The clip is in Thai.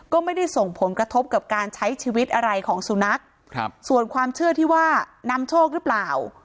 ก็ไม่ได้ส่งผลกระทบกับการใช้ชีวิตอะไรของสุนัขครับส่วนความเชื่อที่ว่านำโชคหรือเปล่า